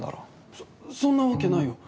そそんなわけないよ。